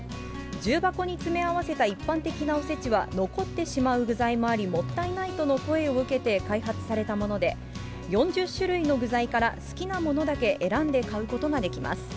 重箱に詰め合わせた一般的なおせちは残ってしまう具材もあり、もったいないとの声を受けて開発されたもので、４０種類の具材から好きなものだけ選んで買うことができます。